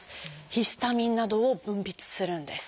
「ヒスタミン」などを分泌するんです。